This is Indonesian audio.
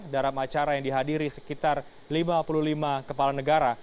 dalam acara yang dihadiri sekitar lima puluh lima kepala negara